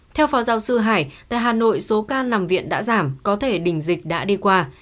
theo phó giáo sư hải tại hà nội số ca nằm viện đã giảm có thể đỉnh dịch đã đi qua